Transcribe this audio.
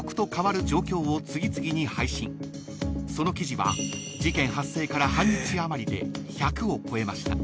［その記事は事件発生から半日余りで１００を超えました］